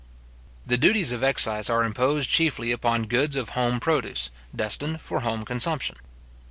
The duties of excise are imposed chiefly upon goods of home produce, destined for home consumption.